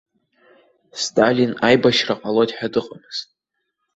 Сталин аибашьра ҟалоит ҳәа дыҟамызт.